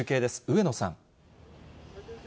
上野さん。